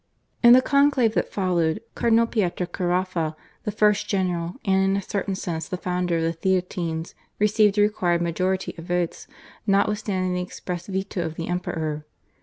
In the conclave that followed Cardinal Pietro Caraffa, the first general and in a certain sense the founder of the Theatines, received the required majority of votes notwithstanding the express veto of the Emperor.